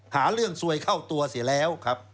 หาเรื่องซวยเข้าตัวเสียแล้วครับ